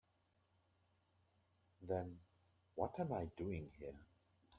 Then what am I doing here?